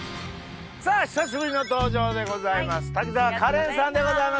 さぁ久しぶりの登場でございます滝沢カレンさんでございます。